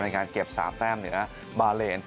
การเก็บ๓แต้มเหนือบาเลน